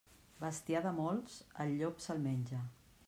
Bestiar de molts, el llop se'l menja.